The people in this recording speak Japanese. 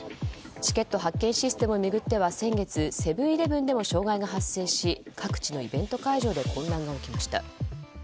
チケット発券システムを巡っては先月、セブン‐イレブンでも障害が発生し各地のイベント会場で混乱が起きました。